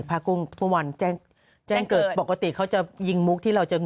ภาครัวลังแท่งพอบอคติเขาจะยิงมุกที่เราจะงง